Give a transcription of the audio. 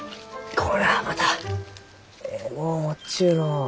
これはまたえいもん持っちゅうのう。